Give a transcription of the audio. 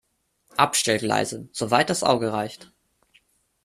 Abstellgleise so weit das Auge reicht!